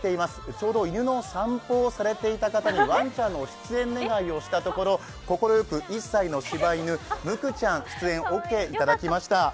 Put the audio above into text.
ちょうど犬の散歩をされていた方にワンちゃんの出演願いをしたところ、快く、１歳のしば犬、むくちゃん、出演していただきました。